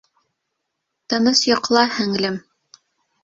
Тыныс йоҡла, һеңлем.